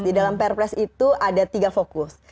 di dalam perpres itu ada tiga fokus